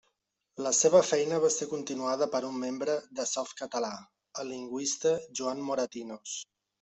La seva feina va ser continuada per un membre de Softcatalà, el lingüista Joan Moratinos.